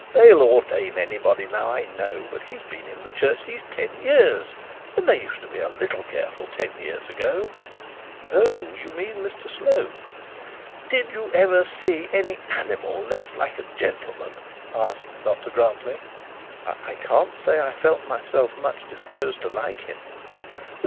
they'll ordain anybody now, I know; but he's been in the church these ten years; and they used to be a little careful ten years ago.' 'Oh! You mean Mr Slope.' 'Did you ever see any animal less like a gentleman?' 'I can't say I felt myself much disposed to like him.'